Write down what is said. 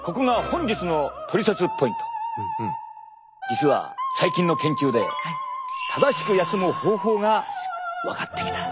実は最近の研究で正しく休む方法が分かってきた。